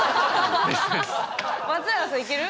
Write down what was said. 松永さんいける？